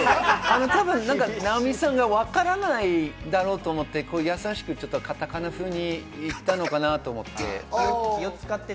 直美さんがわからないだろうと思って優しくカタカナふうに言ったのかなと思います。